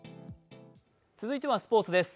続いてはスポーツです。